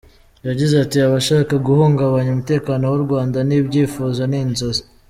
Yagize ati" Abashaka guhungabanya umutekano w’u Rwanda ni ibyifuzo; ni inzozi".